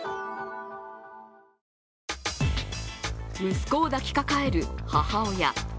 息子を抱きかかえる母親。